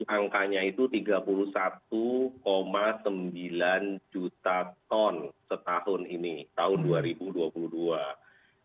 angkanya itu tiga puluh satu sembilan juta ton setahun ini tahun dua ribu dua puluh dua